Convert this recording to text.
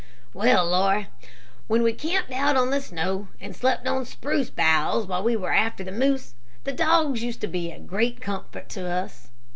"Well, Laura, when we camped out on the snow and slept on spruce boughs while we were after the moose, the dogs used to be a great comfort to us.